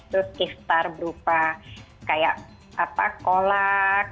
terus kiftar berupa kayak kolak